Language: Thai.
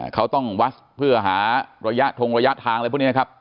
เขาต้องวัดเพื่อหาระยะทงระยะทางอะไรพวกนี้ครับ